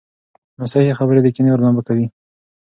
ناصحيح خبرې د کینې اور لمبه کوي.